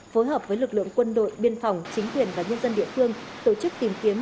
phối hợp với lực lượng quân đội biên phòng chính quyền và nhân dân địa phương tổ chức tìm kiếm